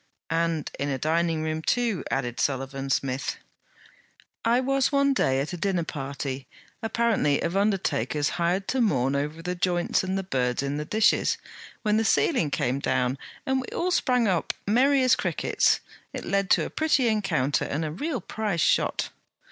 'And in a dining room too,' added Sullivan Smith. 'I was one day at a dinner party, apparently of undertakers hired to mourn over the joints and the birds in the dishes, when the ceiling came down, and we all sprang up merry as crickets. It led to a pretty encounter and a real prize shot.'